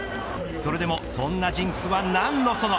それでもそんなジンクスは何のその。